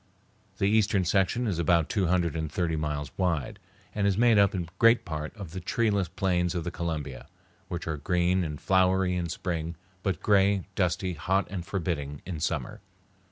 The eastern section is about two hundred and thirty miles wide, and is made up in great part of the treeless plains of the Columbia, which are green and flowery in spring, but gray, dusty, hot, and forbidding in summer.